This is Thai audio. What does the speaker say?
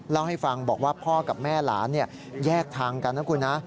เล่าให้ฟังบอกว่าพ่อกับแม่หลานแยกทางกันนะคุณนะ